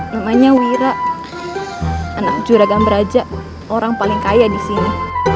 namanya wira anak juraganberaja orang paling kaya disini